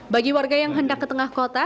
bagi warga yang hendak ke tengah kota